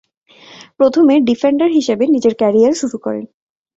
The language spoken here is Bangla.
প্রথমে ডিফেন্ডার হিসেবে নিজের ক্যারিয়ার শুরু করেন।